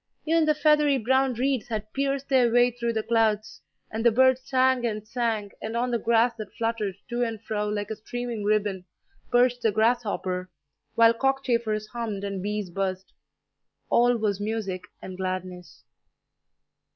Even the feathery brown reeds had pierced their way through the clouds, and the birds sang and sang, and on the grass that fluttered to and fro like a streaming ribbon perched the grasshopper, while cockchafers hummed and bees buzzed. All was music and gladness.